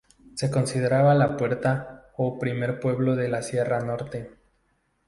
Se considera la puerta o primer pueblo de la Sierra Norte.